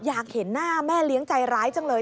อยากเห็นหน้าแม่เลี้ยงใจร้ายจังเลย